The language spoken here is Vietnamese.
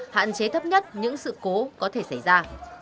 hạn chế thấp nhất những sự cố có thể xảy ra